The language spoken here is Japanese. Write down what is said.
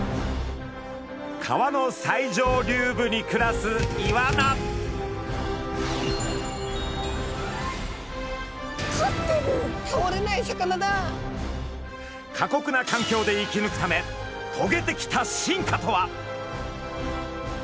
川の最上流部に暮らす過酷な環境で生きぬくためとげてきた進化とは？